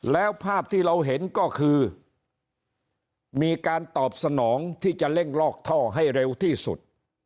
แล้วภาพที่เราเห็นก็คือมีการตอบสนองที่จะเร่งลอกท่อให้เร็วที่สุด